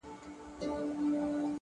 هره هڅه د راتلونکي لپاره پیغام دی،